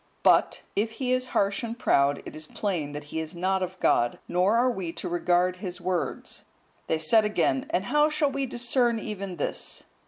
But, if he is harsh and proud, it is plain that he is not of God, nor are we to regard his words." They said again, "And how shall we discern even this?"